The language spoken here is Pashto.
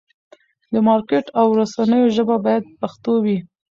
د مارکېټ او رسنیو ژبه باید پښتو وي.